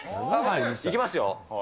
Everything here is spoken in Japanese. いきますよ。